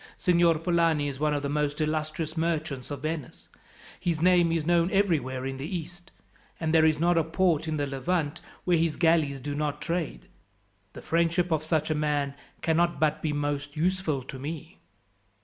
Signor Polani is one of the most illustrious merchants of Venice. His name is known everywhere in the East, and there is not a port in the Levant where his galleys do not trade. The friendship of such a man cannot but be most useful to me.